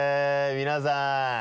皆さん。